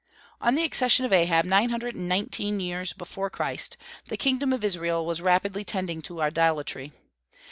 On the accession of Ahab, nine hundred and nineteen years before Christ, the kingdom of Israel was rapidly tending to idolatry.